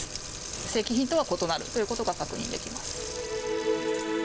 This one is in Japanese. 正規品とは異なるということが確認できます。